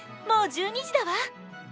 もう１２じだわ！」。